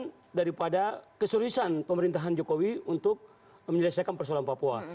ini adalah menurut saya ini adalah kesurusan pemerintahan jokowi untuk menyelesaikan persoalan papua